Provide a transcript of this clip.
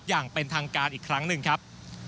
อย่างเป็นทางการอีกครั้งหนึ่งครับ